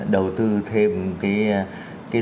đầu tư thêm cái